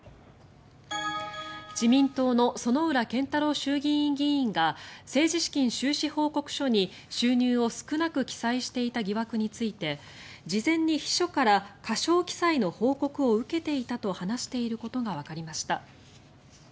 自民党の薗浦健太郎衆議院議員が政治資金収支報告書に収入を少なく記載していた疑惑について事前に秘書から過少記載の報告を受けていたと話していたことがわかりました。